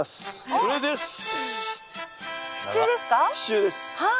これでね。